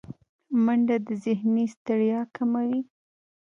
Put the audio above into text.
منډه د ذهني ستړیا کموي